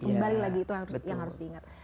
kembali lagi itu yang harus diingat